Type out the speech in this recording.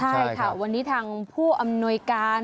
ใช่ค่ะวันนี้ทางผู้อำนวยการ